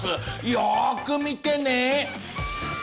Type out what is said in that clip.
よーく見てね。